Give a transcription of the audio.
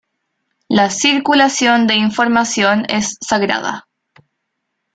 La circulación de información es sagrada.